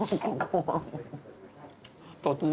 突然？